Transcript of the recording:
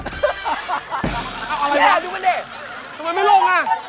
ทำไมไม่ลง